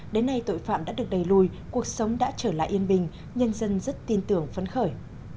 đến nay tội phạm đã được đẩy lùi cuộc sống đã trở lại yên bình nhân dân rất tin tưởng phấn khởi